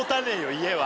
家は。